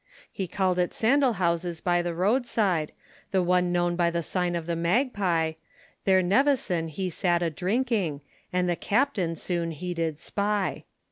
He call'd at Sandal Houses by the road side, The one known by the sign of the Magpie, There Nevison he sat a drinking, And the Captain soon he did spy.